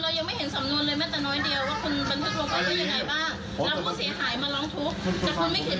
แต่คุณไม่เขียนประจำวันให้เราได้เห็นเลย